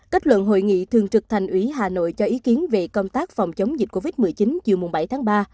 kết luận hội nghị thường trực thành ủy hà nội cho ý kiến về công tác phòng chống dịch covid một mươi chín chiều bảy tháng ba